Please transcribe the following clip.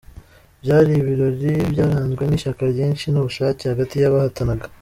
Byari ibirori byaranzwe n’ishyaka ryinshi n’ubushake hagati y’abahatanaga.